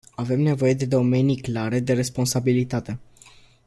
Avem nevoie de domenii clare de responsabilitate.